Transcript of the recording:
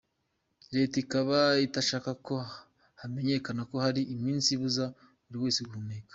Leta ikaba itashakaga ko hamenyekana ko hari iminsi ibuza buri wese guhumeka.